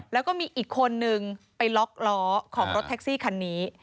แล้วก็มีอีกคนนึงไปล็อกล้อของรถแท็กซี่คันนี้